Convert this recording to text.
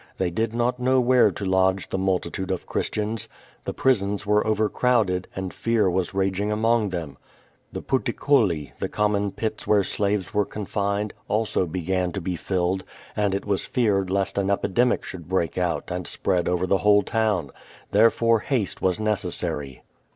They did not know where to lodge the multitude of Christians. The jmsons were overcrowded, and fever was raging anunig them. The Puticulli, the common pits where slaves were confined, also began to be filled, ^and it was feared lest ain epidemic should break out ami spread over the whole town. Therefore haste was necessary.